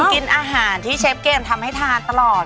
กินอาหารที่เชฟเกมทำให้ทานตลอด